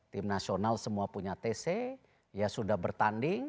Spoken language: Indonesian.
tim nasional semua punya tc ya sudah bertanding